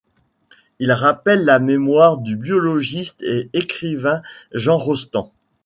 Il rappelle la mémoire du biologiste et écrivain Jean Rostand.